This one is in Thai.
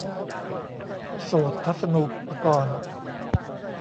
โสตทัศนูปกรณ์